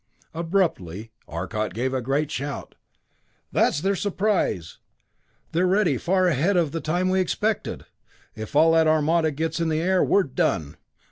Abruptly Arcot gave a great shout. "That's their surprise! They're ready far ahead of the time we expected! If all that armada gets in the air, we're done!